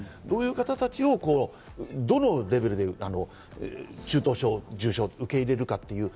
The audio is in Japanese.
どういう方達をどのレベルで中等症、重症として受け入れるか。